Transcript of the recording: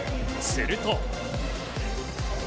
すると。